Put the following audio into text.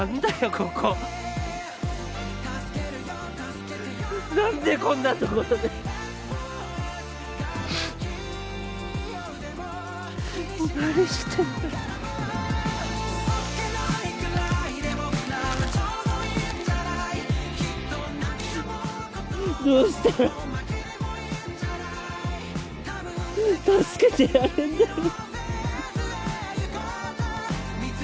ここ何でこんなところで何してんだよどうしたら助けてやれんだよ